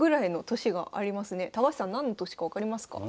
高橋さん何の年か分かりますか？